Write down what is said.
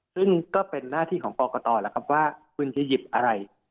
ซึ่งก็เป็นหน้าที่ของกรกตแล้วครับว่าคุณจะหยิบอะไร